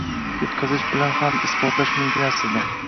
Yutqazish bilan ham isbotlash mumkin aslida.